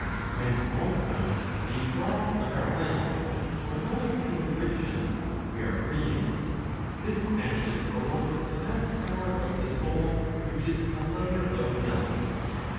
When also being robbed of our wealth, or not obtaining riches, we are grieved, this passion belongs to that power of the soul which is a lover of wealth.